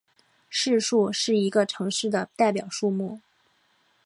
市树是一个城市的代表树木。